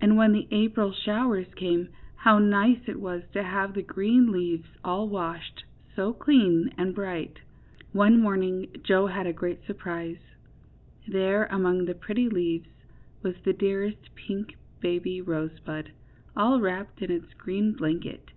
And when the April showers came how nice it was to have the green leaves all washed so clean and bright! 32 JOE'S ROSEBUSH. One morning Joe had a great surprise. There among the pretty leaves was the dearest pink baby rosebud, all wrapped in its green blanket.